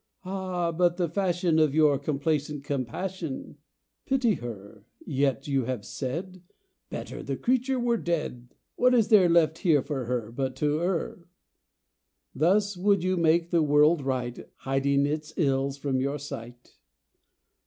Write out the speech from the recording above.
Ah, but the fashion Of your complacent compassion. Pity her! yet you have said, "Better the creature were dead. What is there left here for her But to err?" Thus would you make the world right, Hiding its ills from your sight.